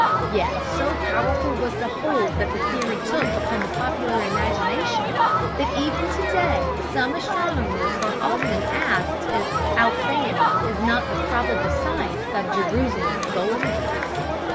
Yet so powerful was the hold that the theory took upon the popular imagination, that even today astronomers are often asked if Alcyone is not the probable site of "Jerusalem the Golden."